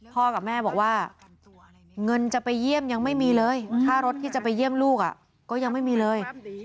กับแม่บอกว่าเงินจะไปเยี่ยมยังไม่มีเลยค่ารถที่จะไปเยี่ยมลูกก็ยังไม่มีเลย